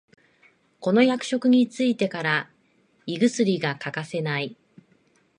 この役職についてから胃薬が欠かせない